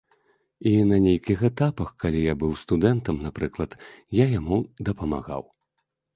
І на нейкіх этапах, калі я быў студэнтам, напрыклад, я яму дапамагаў.